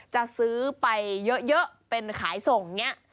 จะซื้อไปเยอะเป็นขายส่งอย่างนี้